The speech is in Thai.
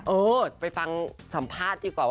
เออไปฟังสัมภาษณ์ดีกว่า